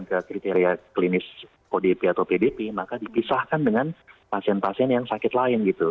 ke kriteria klinis odp atau pdp maka dipisahkan dengan pasien pasien yang sakit lain gitu